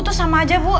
tuh sama aja bu